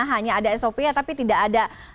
hanya ada sop tapi tidak ada